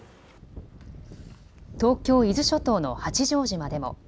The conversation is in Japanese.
東京伊豆諸島の八丈島でも。